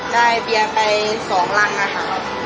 ได้เบียงไปสองรั้งอ่ะค่ะ